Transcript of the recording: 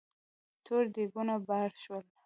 تور دېګونه بار شول.